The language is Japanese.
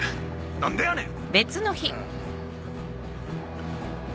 何でやねん！